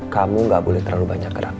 kamu gak boleh terlalu banyak gerak